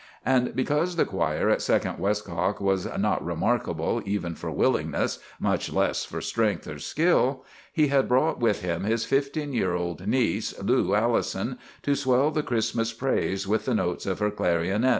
"And because the choir at Second Westcock was not remarkable even for willingness, much less for strength or skill, he had brought with him his fifteen year old niece, Lou Allison, to swell the Christmas praises with the notes of her clarionet.